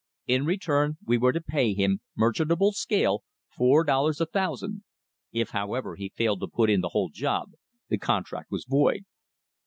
"In return we were to pay him, merchantable scale, four dollars a thousand. If, however, he failed to put in the whole job, the contract was void."